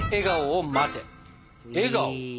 笑顔？